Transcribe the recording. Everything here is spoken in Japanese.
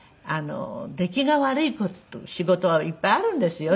出来が悪い仕事はいっぱいあるんですよ。